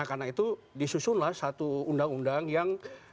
karena itu disusunlah satu undang undang yang